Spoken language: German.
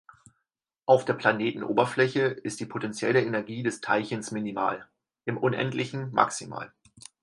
Auf der Planetenoberfläche ist die potentielle Energie des Teilchens minimal, im Unendlichen maximal.